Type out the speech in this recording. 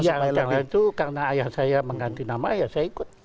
ya karena itu ayah saya mengganti nama ya saya ikut